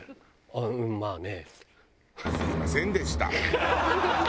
「ああうんまあね」。